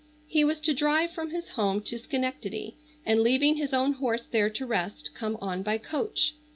He was to drive from his home to Schenectady and, leaving his own horse there to rest, come on by coach.